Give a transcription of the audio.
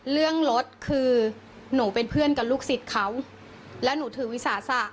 เรื่องรถคือหนูเป็นเพื่อนกับลูกศิษย์เขาและหนูถือวิสาสะ